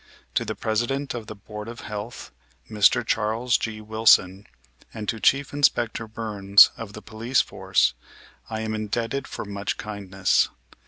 To the President of the Boai'd of Ileaith, Mr. Charles G. Wilson, and to Chief Inspector Byrnes of the Police Force I am indebted for much kind ness.